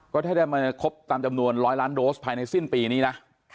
ก็ถ้าได้มาครบตามจำนวน๑๐๐ล้านโดสภายในสิ้นปีนี้นะ